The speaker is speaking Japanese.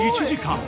１時間。